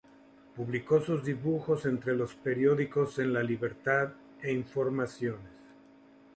Publicó sus dibujos entre otros periódicos en "La Libertad" e "Informaciones".